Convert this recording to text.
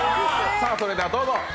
それではどうぞ。